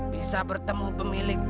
bisa bertemu pemilik